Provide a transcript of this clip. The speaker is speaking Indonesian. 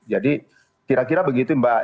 jadi kira kira begitu mbak